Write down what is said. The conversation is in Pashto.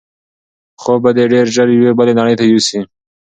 خوب به دی ډېر ژر یوې بلې نړۍ ته یوسي.